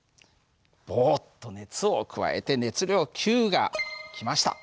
ボッと熱を加えて熱量Ｑが来ました。